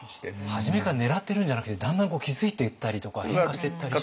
初めから狙ってるんじゃなくてだんだん気付いていったりとか変化していったりして。